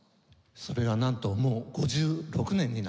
それがなんともう５６年になります。